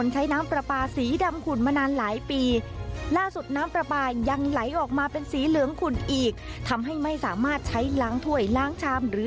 ใช่ไม่ถึงนาทีเลย